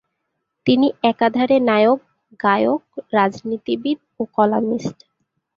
তিনি একাধারে নায়ক, গায়ক, রাজনীতিবিদ ও কলামিস্ট।